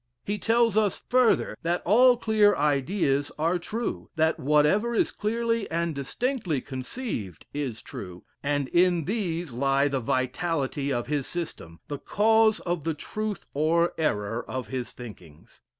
He tells us further that all clear ideas are true that whatever is clearly and distinctly conceived is true and in these lie the vitality of his system, the cause of the truth or error of his thinkings.